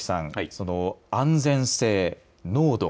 その安全性、濃度